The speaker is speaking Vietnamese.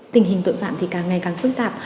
tình hình tội phạm thì càng ngày càng phức tạp